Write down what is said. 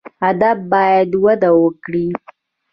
ادب باید وده وکړي